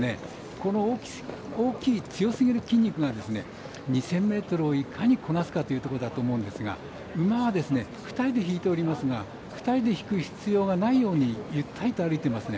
この大きい、強すぎる筋肉が２０００ｍをいかにこなすかというところだと思うんですが馬は、２人で引いておりますが２人で引く必要がないようにゆったりと歩いていますね。